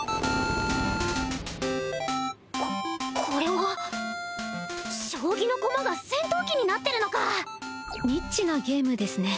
ここれは将棋の駒が戦闘機になってるのかニッチなゲームですね